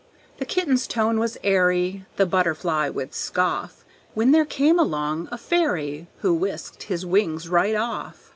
The kitten's tone was airy, The butterfly would scoff; When there came along a fairy Who whisked his wings right off.